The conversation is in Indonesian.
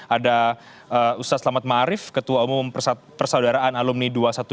ada ustaz selamat ma'arif ketua umum persaudaraan alumni dua ratus dua belas